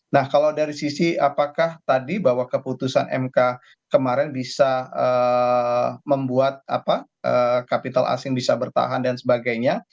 nah kalau dari sisi apakah tadi bahwa keputusan mk kemarin bisa membuat kapital asing bisa bertahan dan sebagainya